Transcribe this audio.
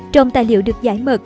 trong tài liệu được giải mật